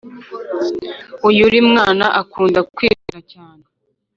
uyuri mwana akunda kw’ itonda cyane